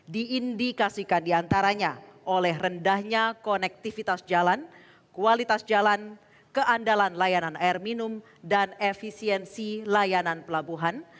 diindikasikan diantaranya oleh rendahnya konektivitas jalan kualitas jalan keandalan layanan air minum dan efisiensi layanan pelabuhan